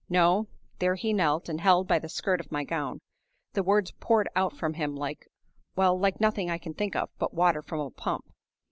No; there he knelt, and held by the skirt of my gown. The words poured out from him like well, like nothing I can think of but water from a pump.